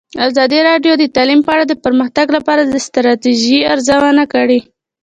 ازادي راډیو د تعلیم په اړه د پرمختګ لپاره د ستراتیژۍ ارزونه کړې.